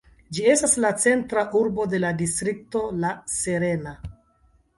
Ĝi estas la centra urbo de la distrikto La Serena.